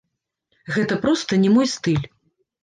Гэта проста не мой стыль.